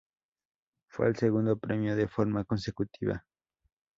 Fue el segundo premio de forma consecutiva.